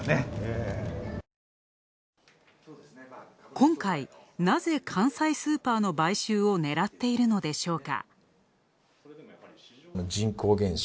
今回、なぜ、関西スーパーの買収を狙っているのでしょうか。